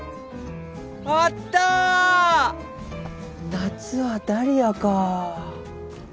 夏はダリアか。